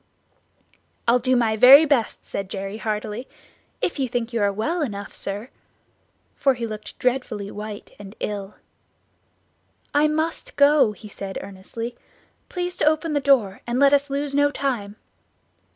"I'll do my very best," said Jerry heartily, "if you think you are well enough, sir," for he looked dreadfully white and ill. "I must go," he said earnestly, "please to open the door, and let us lose no time."